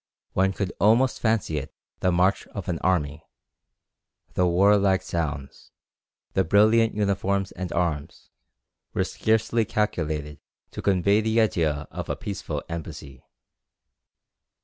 One could almost fancy it the march of an army. The warlike sounds, the brilliant uniforms and arms, were scarcely calculated to convey the idea of a peaceful embassy.